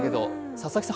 佐々木さん